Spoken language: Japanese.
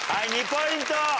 ２ポイント。